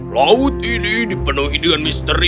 laut ini dipenuhi dengan misteri